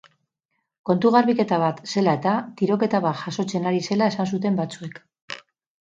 Kontu-garbiketa bat zela eta, tiroketa bat jazotzen ari zela esan zuten batzuek.